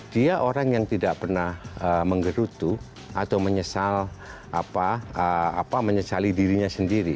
dia orang yang tidak pernah menggerutu atau menyesal menyesali dirinya sendiri